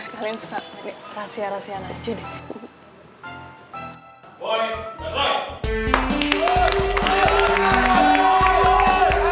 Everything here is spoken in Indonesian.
kalian suka rahasia rahasian aja deh